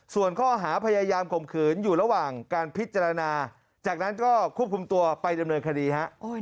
ส่วนข้อหาพยายามข่มขืนอยู่ระหว่างการพิจารณาจากนั้นก็ควบคุมตัวไปดำเนินคดีฮะ